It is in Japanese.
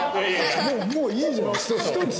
もういいじゃん１つで。